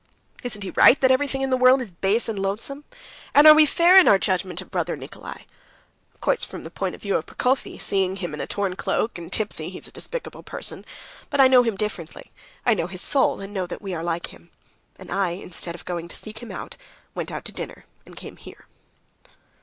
"Isn't he right that everything in the world is base and loathsome? And are we fair in our judgment of brother Nikolay? Of course, from the point of view of Prokofy, seeing him in a torn cloak and tipsy, he's a despicable person. But I know him differently. I know his soul, and know that we are like him. And I, instead of going to seek him out, went out to dinner, and came here."